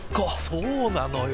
そうなのよ。